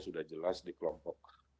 sudah jelas di kelompok